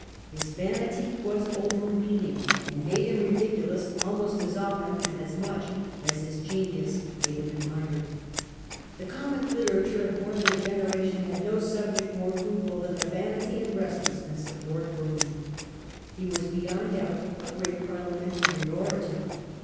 His vanity was overweening, and made him ridiculous almost as often and as much as his genius made him 32 A HISTORY OF OUR OWN TIMES. OH. It. admired. The comic literature of more than a gene ration had no subject more fruitful than the vanity and restlessness of Lord Brougham. He was beyond doubt a great Parliamentary orator.